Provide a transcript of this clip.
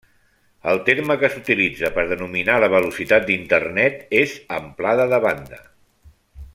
El terme que s'utilitza per denominar la velocitat d'Internet és amplada de banda.